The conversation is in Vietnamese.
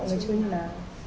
bọn người chơi như là